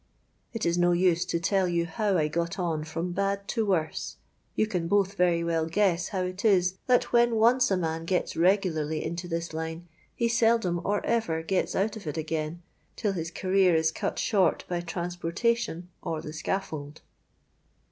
It is no use to tell you how I got on from bad to worse:—you can both very well guess how it is that when once a man gets regularly into this line, he seldom or ever gets out of it again till his career is cut short by transportation or the scaffold."